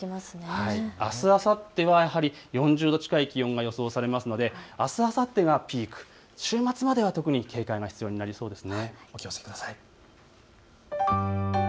あす、あさってはやはり４０度近い気温が予想されますのであす、あさってがピーク、週末まで注意が必要そうです。